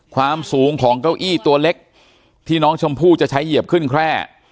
ความสูงของเก้าอี้ตัวเล็กที่น้องชมพู่จะใช้เหยียบขึ้นแคร่